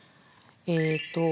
えっと。